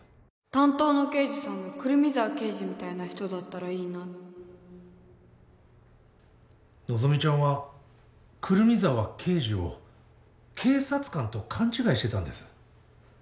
担当の刑事さんが胡桃沢刑事みたいな人だったらいいな希ちゃんは胡桃沢啓二を警察官と勘違いしてたんです。